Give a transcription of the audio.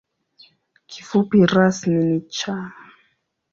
Kifupi rasmi ni ‘Cha’.